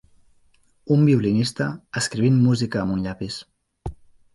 Un violinista escrivint música amb un llapis.